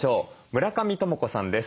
村上知子さんです。